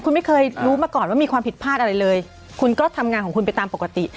คุณไม่เคยรู้มาก่อนว่ามีความผิดพลาดอะไรเลยคุณก็ทำงานของคุณไปตามปกติ